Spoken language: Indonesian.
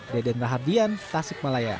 deden rahardian tasik malaya